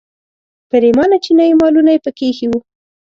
پریمانه چینایي مالونه یې په کې ایښي وو.